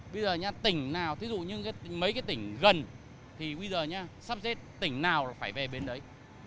bây giờ tỉnh nào thí dụ như mấy cái tỉnh gần thì bây giờ sắp xếp tỉnh nào phải về bến đấy